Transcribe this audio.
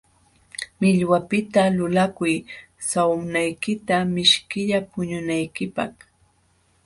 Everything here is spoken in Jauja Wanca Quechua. Millwapiqta lulakuy sawnaykita mishkilla puñunaykipaq.